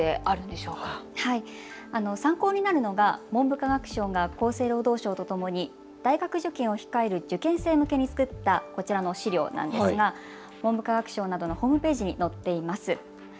あの参考になるのが文部科学省が厚生労働省とともに大学受験を控える受験生向けに作ったこちらの資料なんですが文部科学省などのホームページに載っています。